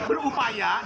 tidak tidak bagus